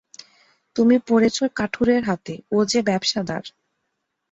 তুমি পড়েছ কাঠুরের হাতে, ও যে ব্যাবসাদার।